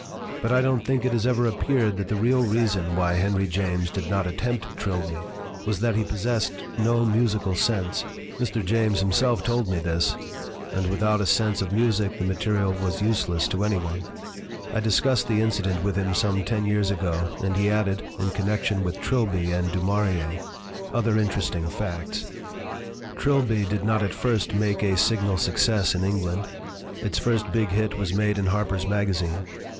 "But I don't think it has ever appeared that the real reason why Henry James did not at tempt Trilby was that he possessed no musical sense; Mr. James himself told me this, and with out a sense of music the material was useless to LITERATURE IN THE MAKING any one. I discussed the incident with him some ten years ago and he added, in connection with Trilby and Du Maurier, other interesting facts. "Trilby did not at first make a signal success in England. Its first big hit was made in Harper's Magazine.